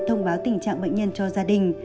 thông báo tình trạng bệnh nhân cho gia đình